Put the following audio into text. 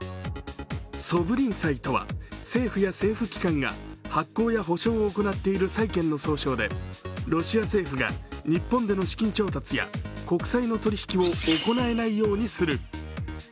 ソブリン債とは、政府や政府機関が発行や保証を行っている債権の総称でロシア政府が日本での資金調達や国債の取引きを行えないようにする。